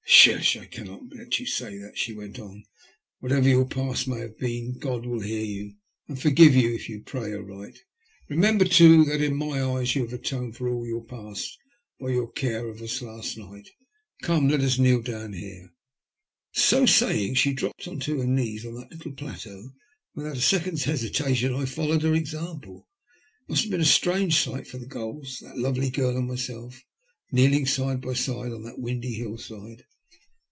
»" Hush ! I cannot let you say that," she went on. " Whatever your past may have been, God will hear you and forgive you if you pray aright. Remember, IM THE LUST OF HATS. too, that in mj eyes you have atoned for all your past by your care of as last night. Come, let m kneel down here." So saying, she dropped on to her knees on that little plateau, and without a second*s hesitation I followed her example. It must have been a strange sight for the gulls, that lovely girl and myself kneeling, side by side, on that windy hillside.